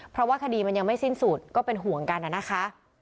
เพราะว่าคดีมันยังไม่สิ้นสุดก็เป็นห่วงกันนะคะ